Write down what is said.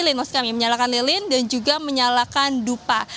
lilin maksud kami menyalakan lilin dan juga menyalakan dupa